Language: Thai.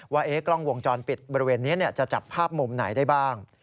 ว่ากล้องวงจรปิดบริเวณนี้จะจับภาพมุมไหนได้บ้าง